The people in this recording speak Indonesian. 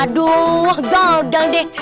aduh gagal deh